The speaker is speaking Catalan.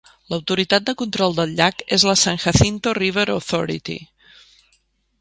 L'autoritat de control del llac és la San Jacinto River Authority.